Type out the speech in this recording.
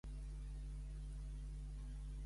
Tot just hem començat a buscar-ho.